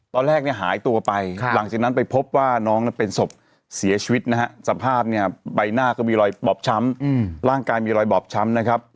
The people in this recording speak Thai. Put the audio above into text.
ตอนแรกเนี่ยหายตัวไปหลังจากนั้นไปพบว่าน้องนั้นเป็นศพเสียชีวิตนะฮะสภาพเนี่ยใบหน้าก็มีรอยบอบช้ำร่างกายมีรอยบอบช้ำนะครับ